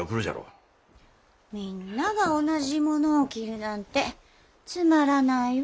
みんなが同じものを着るなんてつまらないわ。